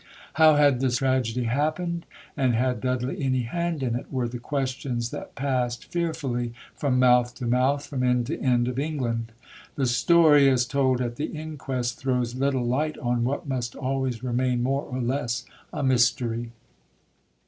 How had this tragedy happened? and had Dudley any hand in it? were the questions that passed fear fully from mouth to mouth, from end to end of England. The story, as told at the inquest, throws little light on what must always remain more or less a mystery.